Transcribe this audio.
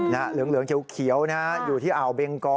เหลืองเขียวนะฮะอยู่ที่อ่าวเบงกอ